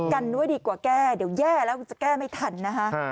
กันด้วยดีกว่าแก้เดี๋ยวแย่แล้วคุณจะแก้ไม่ทันนะฮะ